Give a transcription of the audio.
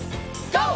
ＧＯ！